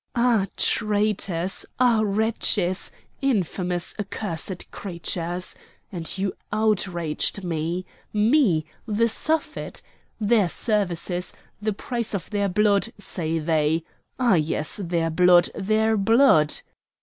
"Ah! traitors! ah! wretches! infamous, accursed creatures! And you outraged me!—me! the Suffet! Their services, the price of their blood, say they! Ah! yes! their blood! their blood!"